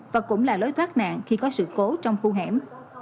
và cũng là lối thoát nạn khi có sự cố trong khu hẻm